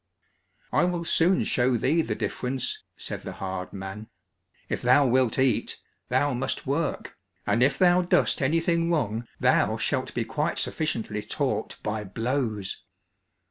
"I will soon show thee the difference," said the hard man, "if thou wilt eat, thou must work, and if thou dost anything wrong, thou shalt be quite sufficiently taught by blows."